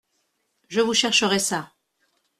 Je vous chercherai ça !…